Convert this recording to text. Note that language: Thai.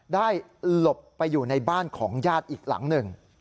หลบไปอยู่ในบ้านของญาติอีกหลังหนึ่ง